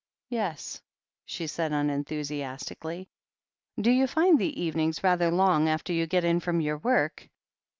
"Yes," she said unenthusiastically. "Do you find the evenings rather long after you get in from your work?